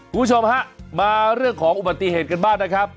คุณผู้ชมฮะมาเรื่องของอุบัติเหตุกันบ้างนะครับ